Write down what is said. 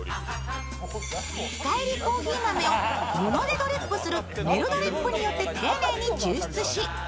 深煎りコーヒー豆を布でドリップするネルドリップによって丁寧に抽出し芳